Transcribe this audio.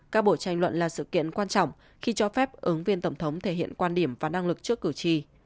các buổi tranh luận là sự kiện quan trọng khi cho phép ứng viên tổng thống thể hiện quan điểm và năng lực trước cử tri